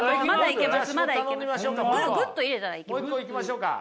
もう一個いきましょうか。